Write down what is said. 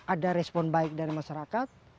ada respon baik dari masyarakat